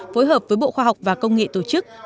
phối hợp với bộ khoa học và công nghệ tổ chức